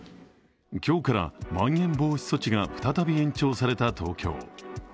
今日からまん延防止措置が再び延長された東京。